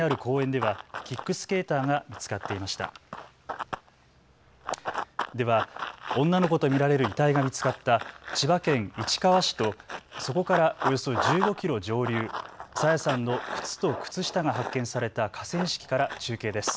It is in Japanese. では女の子と見られる遺体が見つかった千葉県市川市とそこからおよそ１５キロ上流、朝芽さんの靴と靴下が発見された河川敷から中継です。